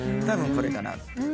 たぶんこれかな。